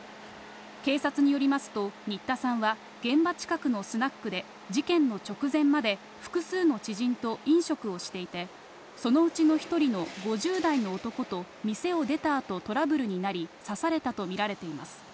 警察によりますと、新田さんは現場近くのスナックで、事件の直前まで複数の知人と飲食をしていて、そのうちの１人の５０代の男と店を出たあとトラブルになり、刺されたと見られています。